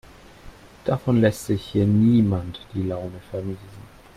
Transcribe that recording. Davon lässt sich hier niemand die Laune vermiesen.